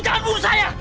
jangan bunuh saya